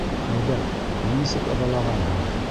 Хәйҙәр, һин нисек ыҙалағанһың!